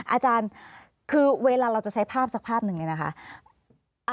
อาจารย์คือเวลาเราจะใช้ภาพสักภาพหนึ่งเนี่ยนะคะ